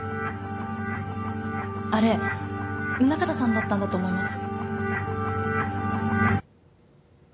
あれ宗形さんだったんだと思います。